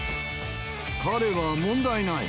彼は問題ない。